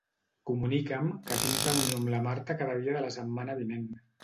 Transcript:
Comunica'm que tinc reunió amb la Marta cada dia de la setmana vinent.